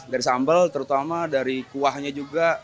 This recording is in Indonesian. dari sambal terutama dari kuahnya juga